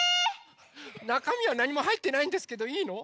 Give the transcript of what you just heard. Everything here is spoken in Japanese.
⁉なかみはなにもはいってないんですけどいいの？